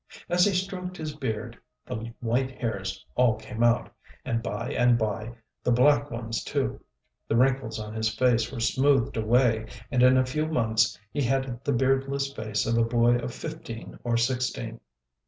As he stroked his beard the white hairs all came out, and by and by the black ones too; the wrinkles on his face were smoothed away, and in a few months he had the beardless face of a boy of fifteen or sixteen.